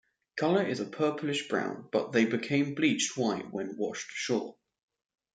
Color is a purplish brown, but they become bleached white when washed ashore.